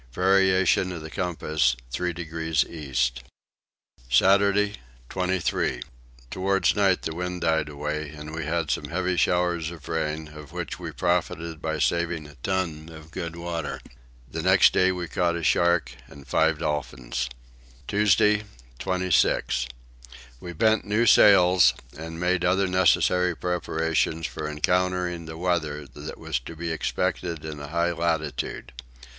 Variation of the compass three degrees east. Saturday 23. Towards night the wind died away and we had some heavy showers of rain of which we profited by saving a ton of good water. The next day we caught a shark and five dolphins. Tuesday 26. We bent new sails and made other necessary preparations for encountering the weather that was to be expected in a high latitude.